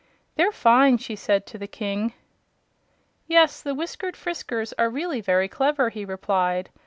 "They're fine!" she said to the King. "Yes, the Whiskered Friskers are really very clever," he replied.